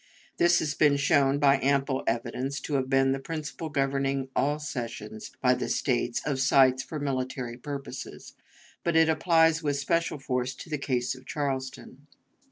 This has been shown, by ample evidence, to have been the principle governing all cessions by the States of sites for military purposes, but it applies with special force to the case of Charleston.